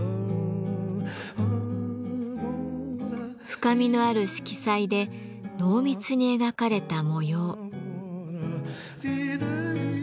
深みのある色彩で濃密に描かれた模様。